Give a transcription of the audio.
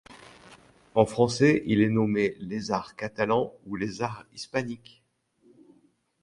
En français il est nommé Lézard catalan ou Lézard hispanique.